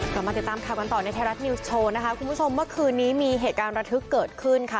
กลับมาติดตามข่าวกันต่อในไทยรัฐนิวส์โชว์นะคะคุณผู้ชมเมื่อคืนนี้มีเหตุการณ์ระทึกเกิดขึ้นค่ะ